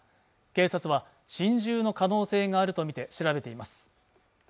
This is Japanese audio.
警察は心中の可能性があるとみて調べています